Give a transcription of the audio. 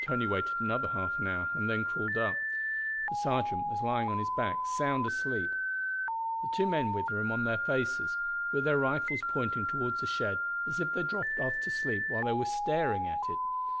Tony waited another half hour and then crawled up. The sergeant was lying on his back sound asleep; the two men with him were on their faces, with their rifles pointing toward the shed, as if they had dropped off to sleep while they were staring at it.